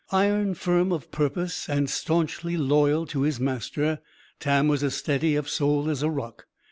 Iron firm of purpose and staunchly loyal to his master, Tam was as steady of soul as a rock.